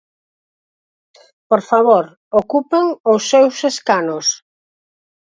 Por favor, ocupen os seus escanos.